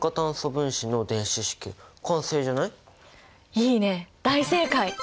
いいね大正解！